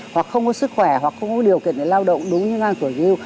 hoặc không có sức khỏe hoặc không có điều kiện để lao động đúng như ngang tuổi yêu